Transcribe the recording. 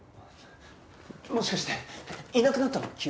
もしかしていなくなったの？